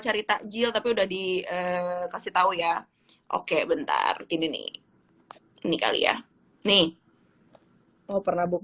cerita jill tapi udah dikasih tahu ya oke bentar ini ini kali ya nih oh pernah book